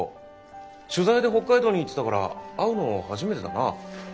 取材で北海道に行ってたから会うのは初めてだな。